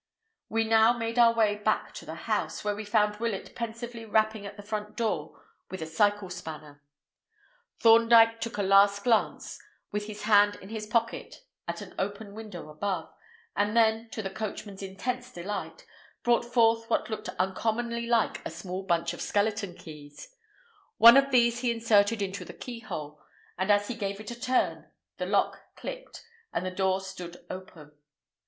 We now made our way back to the house, where we found Willett pensively rapping at the front door with a cycle spanner. Thorndyke took a last glance, with his hand in his pocket, at an open window above, and then, to the coachman's intense delight, brought forth what looked uncommonly like a small bunch of skeleton keys. One of these he inserted into the keyhole, and as he gave it a turn, the lock clicked, and the door stood open.